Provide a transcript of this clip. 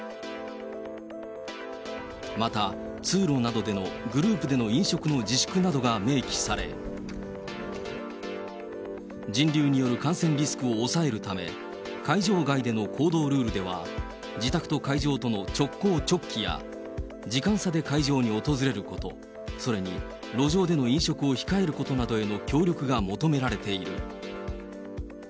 また通路などでのグループでの飲食の自粛などが明記され、人流による感染リスクを抑えるため、会場外での行動ルールでは、自宅と会場との直行直帰や、時間差で会場に訪れること、それに路上での飲食を控えることなどへの協力が求められている。